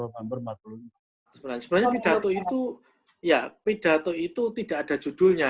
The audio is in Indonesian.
sebenarnya pidato itu tidak ada judulnya